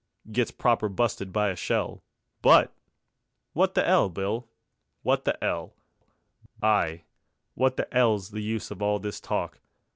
Gets proper busted by a shell, But ... wot the 'ell, Bill? Wot the 'ell? Ay, wot the 'ell's the use of all this talk?